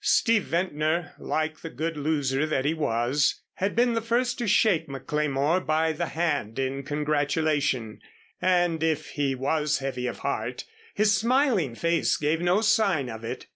Steve Ventnor, like the good loser that he was, had been the first to shake McLemore by the hand in congratulation, and if he was heavy of heart, his smiling face gave no sign of it.